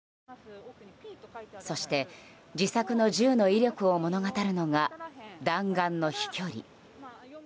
そして、自作の銃の威力を物語るのが弾丸の飛距離。